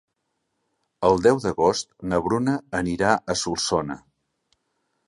El deu d'agost na Bruna anirà a Solsona.